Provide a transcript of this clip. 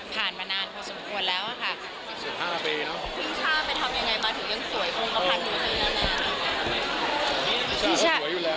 มานานพอสมควรแล้วค่ะ